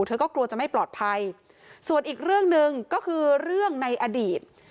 เธอก็กลัวจะไม่ปลอดภัยส่วนอีกเรื่องหนึ่งก็คือเรื่องในอดีต